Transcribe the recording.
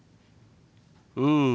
うん。